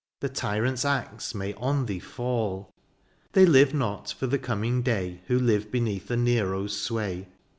The tyrant's axe may on thee fall. They live not for the coming day Who live beneath a Nero's sway.